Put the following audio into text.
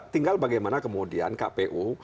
tinggal bagaimana kemudian kpu